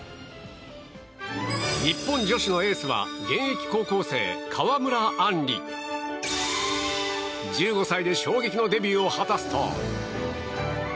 日本女子のエースは現役高校生、川村あんり。１５歳で衝撃のデビューを果たすと。